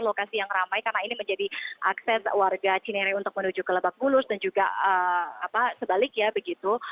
lokasi yang ramai karena ini menjadi akses warga cinere untuk menuju ke lebak bulus dan juga sebaliknya begitu